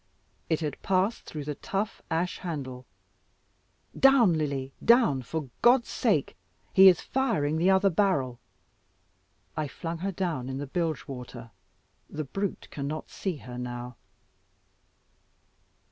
It had passed through the tough ash handle. Down, Lily, down, for God's sake; he is firing the other barrel. I flung her down in the bilge water; the brute cannot see her now.